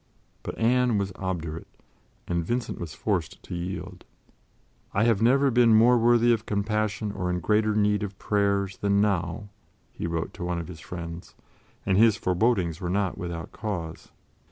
But Anne was obdurate, and Vincent was forced to yield. "I have never been more worthy of compassion or in greater need of prayers than now," he wrote to one of his friends, and his forebodings were not without cause.